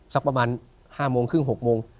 สักประมาณ๕โมงครึ่ง๖โมง